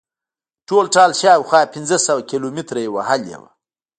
ټولټال شاوخوا پنځه سوه کیلومتره یې وهلې وه.